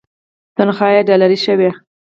تنخوا یې ډالري شوې.